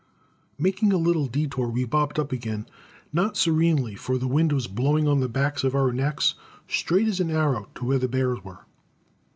Making a little detour we bobbed up again, not serenely, for the wind was blowing on the backs of our necks straight as an arrow to where the bears were.